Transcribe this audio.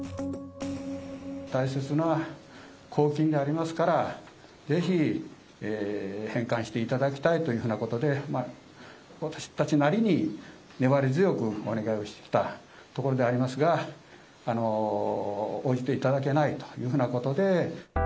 大切な公金でありますから、ぜひ返還していただきたいというふうなことで、私たちなりに粘り強くお願いをしてきたところでありますが、応じていただけないというふうなことで。